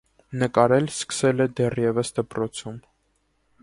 Նկարել սկսել է դեռևս դպրոցում։